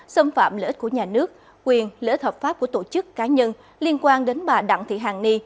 xâm phạm lợi ích của nhà nước quyền lợi ích hợp pháp của tổ chức cá nhân liên quan đến bà đặng thị hàng ni